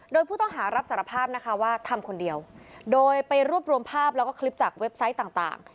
โดยผู้ต้องหารับสารภาพนะคะว่าทำคนเดียวโดยไปรวบรวมภาพแล้วก็คลิปจากเว็บไซต์ต่าง